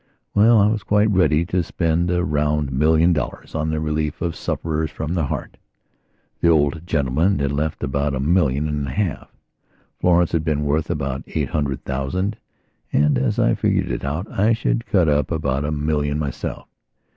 Well, I was quite ready to spend a round million dollars on the relief of sufferers from the heart. The old gentleman had left about a million and a half; Florence had been worth about eight hundred thousandand as I figured it out, I should cut up at about a million myself.